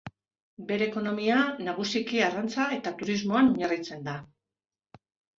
Bere ekonomia nagusiki arrantza eta turismoan oinarritzen da.